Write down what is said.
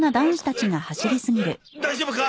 大丈夫か？